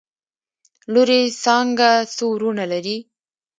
لورې څانګه څو وروڼه لري؟؟